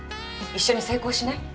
一緒に成功しない？